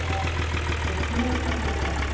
とってもおいしそうなお肉ですね。